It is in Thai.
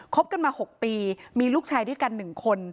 บกันมา๖ปีมีลูกชายด้วยกัน๑คน